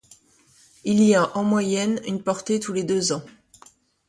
Il y a en moyenne une portée tous les deux ans.